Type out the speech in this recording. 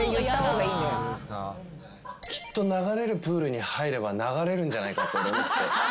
きっと流れるプールに入れば流れるんじゃないかと思って。